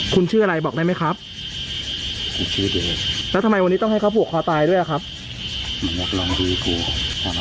คุณชื่ออะไรบอกได้ไหมครับแล้วทำไมวันนี้ต้องให้เขาผูกคอตายด้วยอ่ะครับ